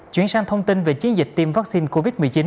chuyển sang thông tin về chiến dịch tiêm vaccine covid một mươi chín